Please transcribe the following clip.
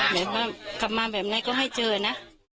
แบบว่ากลับมาแบบไหนก็ให้เจอนะ